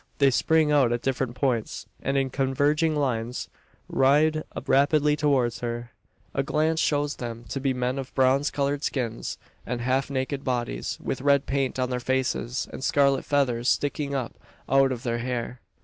They spring out at different points; and, in converging lines, ride rapidly towards her! A glance shows them to be men of bronze coloured skins, and half naked bodies with red paint on their faces, and scarlet feathers sticking up out of their hair.